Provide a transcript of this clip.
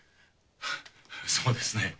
そうですね。